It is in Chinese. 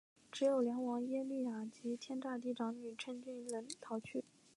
只有梁王耶律雅里及天祚帝长女乘军乱逃去。